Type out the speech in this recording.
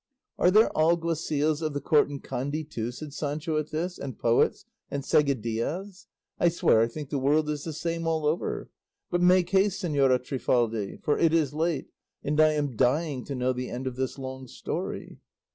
"Are there alguacils of the court in Kandy, too," said Sancho at this, "and poets, and seguidillas? I swear I think the world is the same all over! But make haste, Señora Trifaldi; for it is late, and I am dying to know the end of this long story."